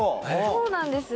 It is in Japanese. そうなんです。